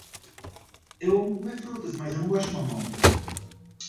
Amo comer frutas, mas não gosto de mamão.